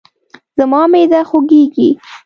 زما معده خوږیږي